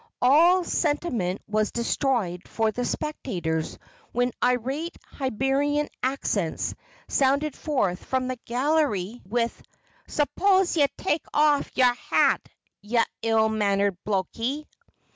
All sentiment was destroyed for the spectators when irate Hibernian accents sounded forth from the gallery with: "Suppose ye take off yer hat, ye ill mannered blokey!"